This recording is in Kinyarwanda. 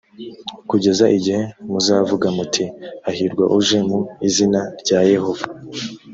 kugeza igihe muzavuga muti hahirwa uje mu izina rya yehova